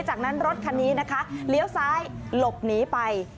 จากนั้นรถคันนี้นะคะเลี้ยวซ้ายหลบหนีไป